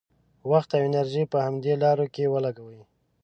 وخت او انرژي په همدې لارو کې ولګوي.